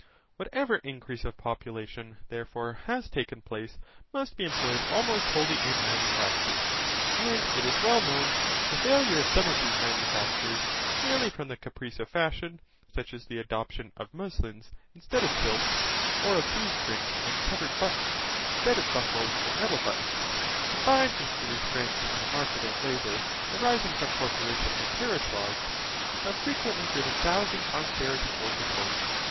Whatever increase of population, therefore, has taken place, must be employed almost wholly in manufactures, and it is well known that the failure of some of these manufactures, merely from the caprice of fashion, such as the adoption of muslins instead of silks, or of shoe strings and covered buttons, instead of buckles and metal buttons, combined with the restraints in the market of labour arising from corporation and parish laws, have frequently driven thousands on charity for support.